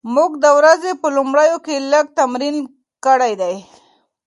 موږ د ورځې په لومړیو کې لږ تمرین کړی دی.